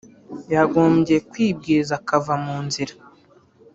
yagombye kwibwiriza akava mu nzira